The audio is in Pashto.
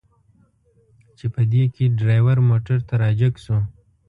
چې په دې کې ډریور موټر ته را جګ شو.